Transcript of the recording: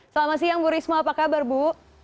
selamat siang bu risma apa kabar bu